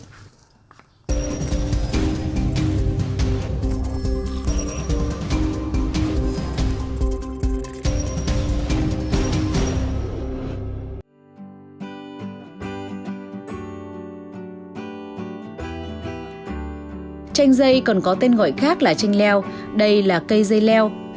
nước chanh dây còn có tên gọi khác là chanh leo đây là cây dây leo